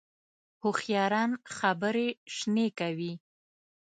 هوښیاران خبرې شنې کوي